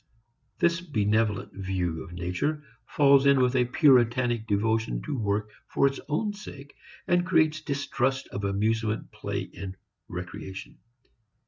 This benevolent view of nature falls in with a Puritanic devotion to work for its own sake and creates distrust of amusement, play and recreation.